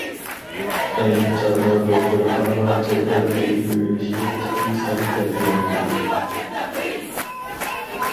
ئەينى چاغدا دوختۇرخانىغا چەت ئەل تىلى ئۆگىنىشكە ئىككى سان كەلگەنىدى.